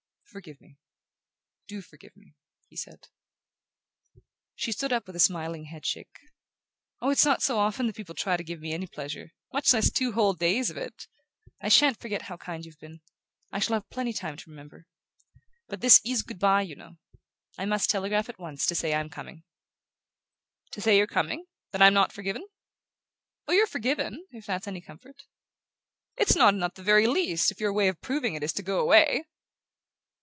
"Forgive me do forgive me," he said. She stood up with a smiling head shake. "Oh, it's not so often that people try to give me any pleasure much less two whole days of it! I sha'n't forget how kind you've been. I shall have plenty of time to remember. But this IS good bye, you know. I must telegraph at once to say I'm coming." "To say you're coming? Then I'm not forgiven?" "Oh, you're forgiven if that's any comfort." "It's not, the very least, if your way of proving it is to go away!"